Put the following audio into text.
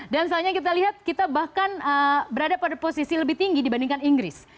dan soalnya kita lihat kita bahkan berada pada posisi lebih tinggi dibandingkan inggris